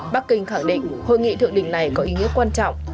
bắc kinh khẳng định hội nghị thượng đỉnh này có ý nghĩa quan trọng